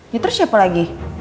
ya terus siapa lagi